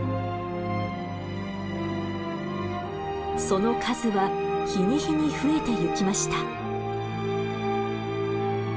その数は日に日に増えてゆきました。